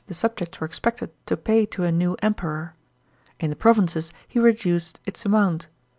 subjects were expected to pay to a new Emperor. In the provinces he reduced its amount.